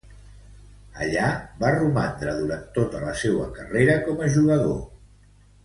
Allà va romandre durant tota la seua carrera com a jugador.